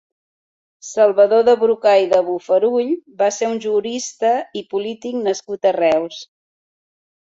Salvador de Brocà i de Bofarull va ser un jurista i polític nascut a Reus.